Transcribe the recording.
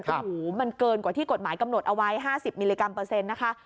โอ้โหมันเกินกว่าที่กฎหมายกำหนดเอาไว้๕๐มิลลิกรัมเปอร์เซ็นต์นะคะ